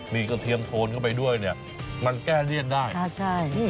มีกระเทียมโทนเข้าไปด้วยเนี่ยมันแก้เลี่ยนได้อ่าใช่